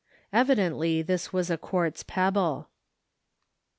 Evidently this was a quartz pebble.